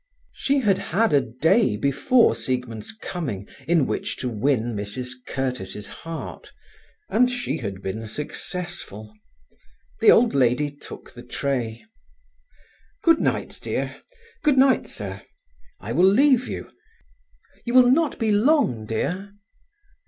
She had had a day before Siegmund's coming, in which to win Mrs Curtiss' heart, and she had been successful. The old lady took the tray. "Good night, dear—good night, sir. I will leave you. You will not be long, dear?"